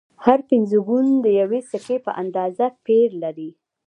هر پنځه ګون د یوې سکې په اندازه پیر لري